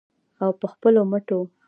او په خپلو مټو.